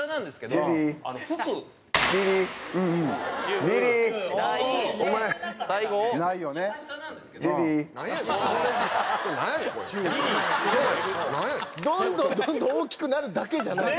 どんどんどんどん大きくなるだけじゃない。